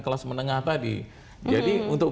kelas menengah tadi jadi untuk